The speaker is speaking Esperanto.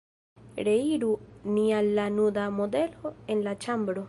Reiru ni al la nuda modelo en la ĉambro.